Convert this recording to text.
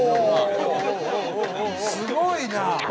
すごいな！